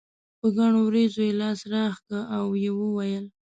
په ګڼو وريځو یې لاس راښکه او یې وویل.